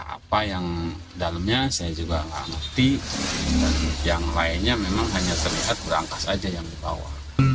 apa yang dalamnya saya juga nggak ngerti dan yang lainnya memang hanya terlihat berangkas saja yang dibawa